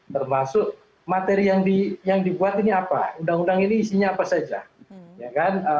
termasuk materi yang dibuat ini apa undang undang ini isinya apa saja ya kan